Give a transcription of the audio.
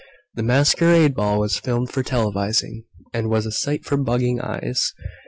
The Masquerade Ball was filmed for televising, and was a sight for bugging eyes.